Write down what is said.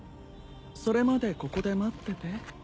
それまでここで待ってて。